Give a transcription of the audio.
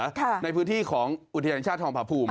ครับในพื้นที่ของอุทยานชาติมาภูมิ